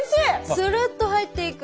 するっと入っていく！